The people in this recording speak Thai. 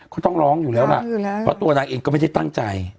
ก็ต้องร้องอยู่แล้วล่ะเพราะตัวนางเองก็ไม่ได้ตั้งใจ